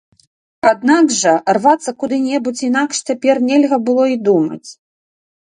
Аднак жа рвацца куды-небудзь інакш цяпер нельга было і думаць.